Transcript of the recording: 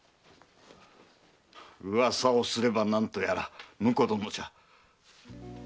噂をすれば何とやら婿殿じゃ。